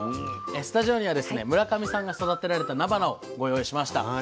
スタジオにはですね村上さんが育てられたなばなをご用意しました。